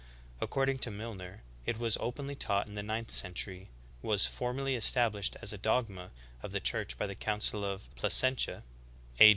According to IMilner it was openly taught in the ninth century;^ was formally established as a dogma of the Church by the Council of Placentia A.